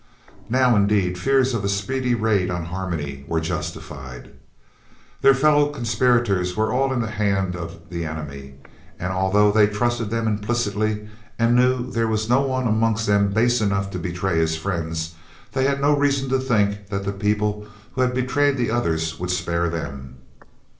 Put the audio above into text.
Now indeed fears of a speedy raid on Harmony were justified. Their fellow conspirators were all in the hand of the enemy, and although they trusted them implicitly, and knew there was no one amongst them base enough to betray his friends, they had no reason to think that the people who had betrayed the others would spare them.